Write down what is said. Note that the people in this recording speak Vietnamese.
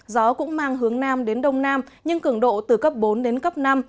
gió cũng mang hướng nam đến đông nam nhưng cường độ từ cấp bốn đến cấp năm